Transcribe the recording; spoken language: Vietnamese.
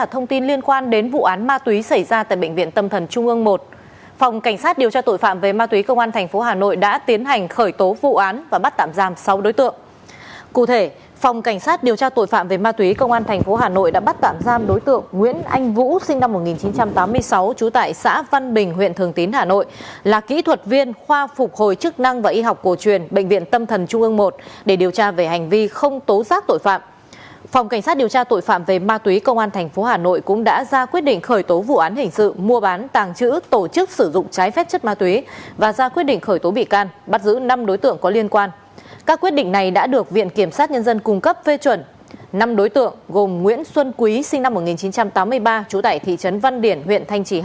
hãy đăng ký kênh để ủng hộ kênh của chúng mình nhé